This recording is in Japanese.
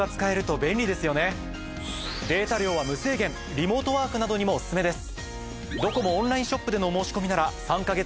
リモートワークなどにもオススメです。